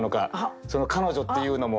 その「彼女」っていうのも。